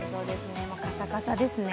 カサカサですね。